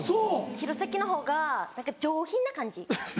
弘前のほうが何か上品な感じ。